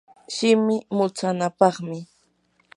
shimi mutsanapaqmi.